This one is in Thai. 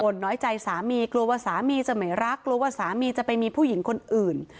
น้อยใจสามีกลัวว่าสามีจะไม่รักกลัวว่าสามีจะไปมีผู้หญิงคนอื่น